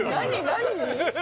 何？